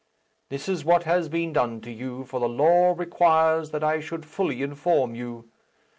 This is what has been done to you, for the law requires that I should fully inform you.